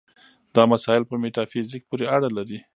دا مسایل په میتافیزیک پورې اړه لري.